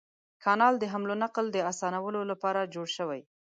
کانال د حمل او نقل د اسانولو لپاره جوړ شوی.